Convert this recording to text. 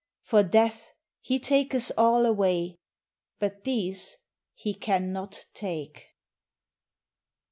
For Death he taketh all away, but these he cannot take.